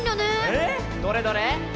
ええ⁉どれどれ。